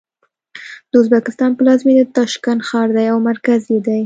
د ازبکستان پلازمېنه د تاشکند ښار دی او مرکز یې دی.